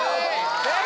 正解！